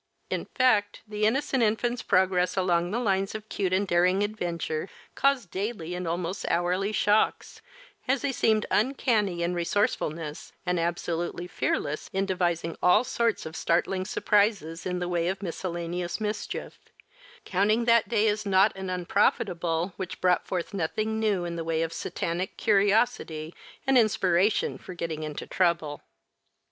In fact the innocent infants' progress along the lines of cute and daring adventure caused daily and almost hourly shocks, as they seemed uncanny in resourcefulness and absolutely fearless in devising all sorts of startling surprises in the way of miscellaneous mischief, counting that day as naught and unprofitable which brought forth nothing new in the way of satanic curiosity and inspiration for getting into trouble.